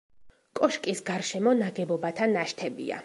კოშკის გარშემო ნაგებობათა ნაშთებია.